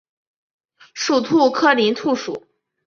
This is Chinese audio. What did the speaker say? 属兔科林兔属。